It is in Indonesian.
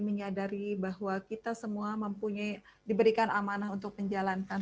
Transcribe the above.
menyadari bahwa kita semua memberikan amanah untuk menjalankan